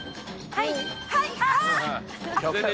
はい！